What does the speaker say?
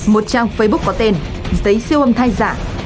một trang facebook có tên giấy siêu âm thay giả